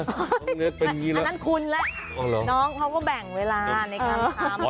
อันนั้นคุณแหละเพราะว่าแบ่งเวลาในการทำ